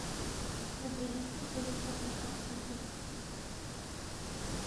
Su pelaje suele ser marrón rojizo.